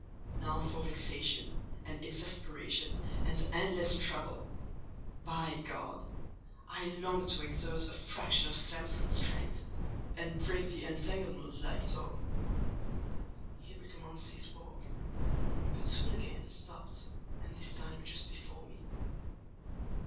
Now for vexation, and exasperation, and endless trouble! By God! I long to exert a fraction of Samson's strength, and break the entanglement like tow!" He recommenced his walk, but soon again stopped, and this time just before me.